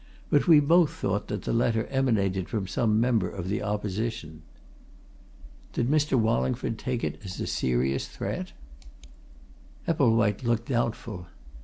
But we both thought that the letter emanated from some member of the opposition." "Did Mr. Wallingford take it as a serious threat?" Epplewhite looked doubtful.